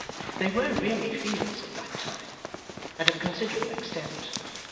They were really fields at that time, and of considerable extent.